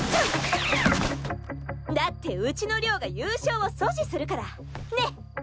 だってうちの亮が優勝を阻止するから。ね！